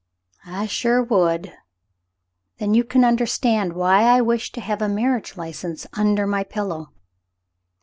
" I sure would." "Then you can understand why I wish to have a mar riage license under my pillow."